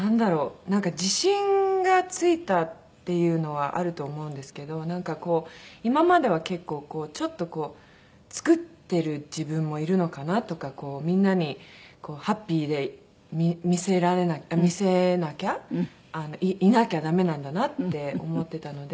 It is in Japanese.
なんか自信がついたっていうのはあると思うんですけどなんかこう今までは結構ちょっと作ってる自分もいるのかな？とかみんなにハッピーで見せなきゃいなきゃダメなんだなって思ってたのでなんか